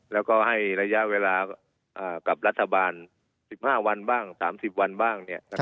แล้วก็ให้ระยะเวลากับรัฐบาล๑๕วันบ้าง๓๐วันบ้าง